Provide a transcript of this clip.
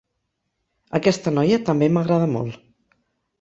Aquesta noia també m'agrada molt.